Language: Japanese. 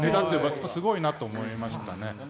すごいなと思いました。